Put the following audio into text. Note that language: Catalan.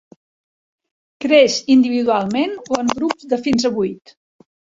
Creix individualment o en grups de fins a vuit.